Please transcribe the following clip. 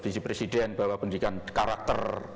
visi presiden bahwa pendidikan karakter